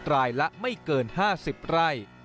รายละไม่เกิน๕๐ไร่